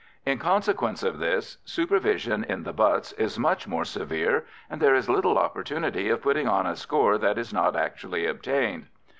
In consequence of this, supervision in the butts is much more severe, and there is little opportunity of putting on a score that is not actually obtained.